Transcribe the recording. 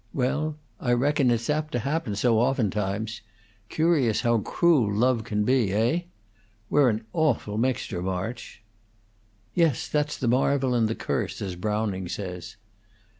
Well, I reckon it's apt to happen so oftentimes; curious how cruel love can be. Heigh? We're an awful mixture, March!" "Yes, that's the marvel and the curse, as Browning says."